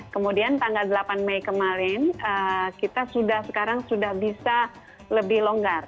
kemudian tanggal delapan mei kemarin kita sudah sekarang sudah bisa lebih longgar